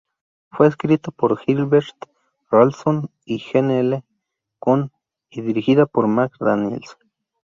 Fue escrito por Gilbert Ralston y Gene L. Coon y dirigida por Marc Daniels.